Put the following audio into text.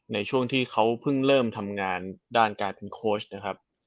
ในช่วงที่เขาเพิ่งเริ่มทำงานด้านการเป็นโค้ชนะครับ